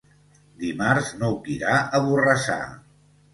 Dimarts n'Hug irà a Borrassà.